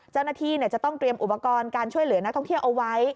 เจ้าหน้าที่จะต้องเตรียมอุปกรณ์การช่วยเหลือนักท่องเที่ยวเอาไว้